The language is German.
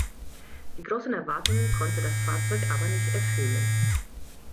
Die großen Erwartungen konnte das Fahrzeug aber nicht erfüllen.